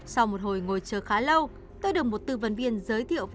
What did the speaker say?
sau một hồi ngồi chờ khá lâu tôi được một tư vấn viên giới thiệu về hai phương pháp